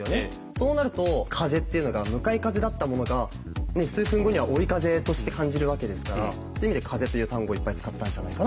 そうなると風っていうのが向かい風だったものが数分後には追い風として感じるわけですからそういう意味で「風」という単語いっぱい使ったんじゃないかなと思いました。